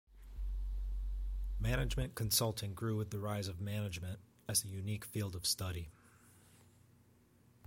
Management consulting grew with the rise of management, as a unique field of study.